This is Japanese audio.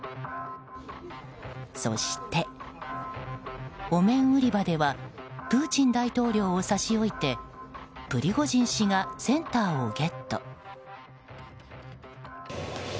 そして、お面売り場ではプーチン大統領を差し置いてプリゴジン氏がセンターをゲット。